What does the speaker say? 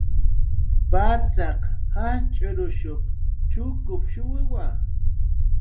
Patzaq jajch'urun chukushuwiwa